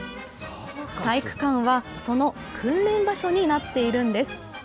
体育館はその訓練場所になっているんです。